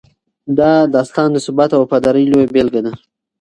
دا داستان د ثبات او وفادارۍ لویه بېلګه ده.